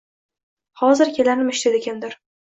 Hozir kelarmish, dedi kimdir